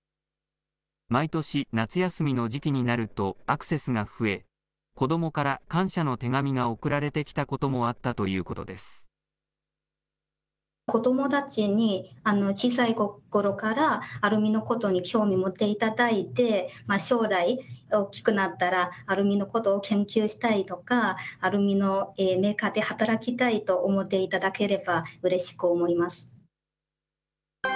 毎年、夏休みの時期になるとアクセスが増え、子どもから感謝の手紙が送られてきたこともあったと子どもたちに小さいころから、アルミのことに興味持っていただいて、将来、大きくなったら、アルミのことを研究したいとか、アルミのメーカーで働きたいと思っていただければうれしく思います。